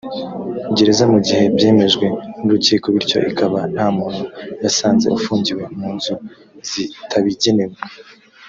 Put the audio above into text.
gereza mu gihe byemejwe n urukiko bityo ikaba nta muntu yasanze ufungiwe mu nzu zitabigenewe